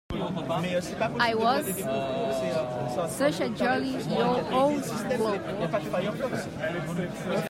He was such a jolly old bloke.